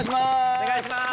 お願いいたします。